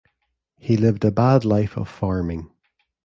He lived a bad life of farming.